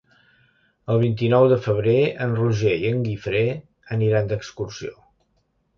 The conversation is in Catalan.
El vint-i-nou de febrer en Roger i en Guifré aniran d'excursió.